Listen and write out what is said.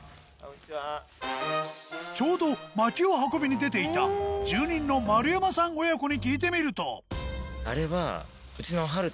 ちょうど薪を運びに出ていた住人の丸山さん親子に聞いてみるとあれはうちの。